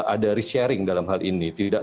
ada resharing dalam hal ini tidak